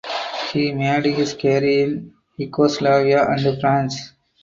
He made his career in Yugoslavia and France.